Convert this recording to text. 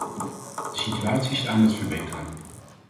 De situatie is aan het verbeteren.